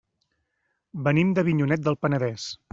Venim d'Avinyonet del Penedès.